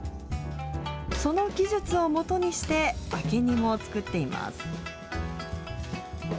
その技術をもとにして明け荷も作っています。